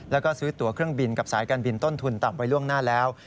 แล้วก็ซื้อตัวเครื่องบินกับสายการบินต้นทุนต่ำไว้ล่วงหน้าแล้ว